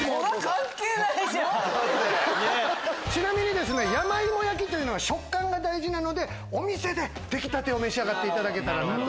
ちなみに山芋焼きというのは食感が大事なのでお店で出来たてを召し上がっていただけたらと。